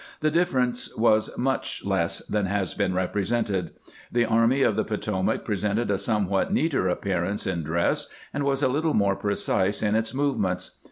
The difference was much less than has been represented. The Army of the Potomac presented a somewhat neater appearance in dress, and was a little more precise in its movements.